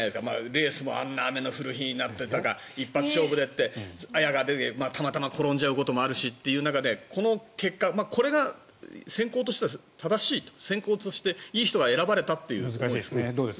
レースもあんな雨が降る日になって一発勝負でってあやが出てたまたま転ぶこともあるしという中でこの結果これが選考としては正しいと選考としていい人が選ばれたという思いですか？